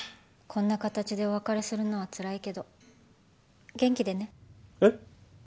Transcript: こんな形でお別れするのはつらいけど元気でねえっ？